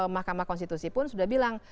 mahkamah konstitusi pun sudah bilang